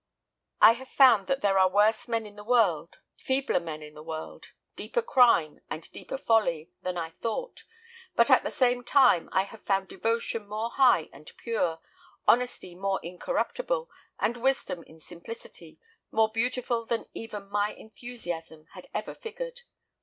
I have found that there are worse men in the world, feebler men in the world deeper crime, and deeper folly, than I thought; but at the same time, I have found devotion more high and pure, honesty more incorruptible, and wisdom in simplicity, more beautiful than even my enthusiasm had ever figured.